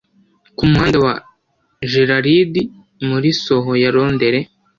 ku muhanda wa Geraridi muri Soho ya Londere